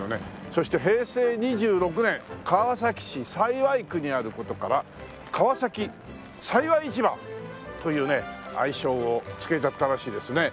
そして平成２６年川崎市幸区にある事から川崎幸市場というね愛称をつけちゃったらしいですね。